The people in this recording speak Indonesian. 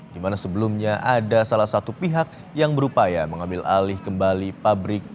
di mana sebelumnya ada salah satu pihak yang berupaya mengambil alih kembali pabrik